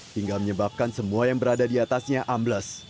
hingga menyebabkan semua yang berada di atasnya ambles